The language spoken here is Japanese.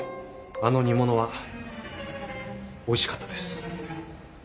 あの煮物はおいしかったです。